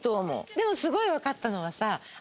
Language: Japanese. でもすごいわかったのはさあ